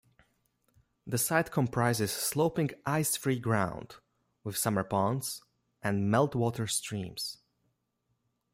The site comprises sloping ice-free ground with summer ponds and meltwater streams.